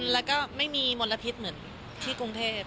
แล้วก็ไม่มีมลพิษเหมือนที่กรุงเทพ